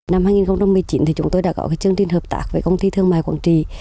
năm hai nghìn một mươi chín chúng tôi đã có chương trình hợp tác với công ty thương mại quảng trì